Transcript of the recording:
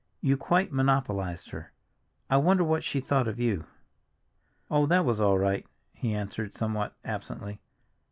"You quite monopolized her. I wonder what she thought of you!" "Oh, that was all right!" he answered somewhat absently.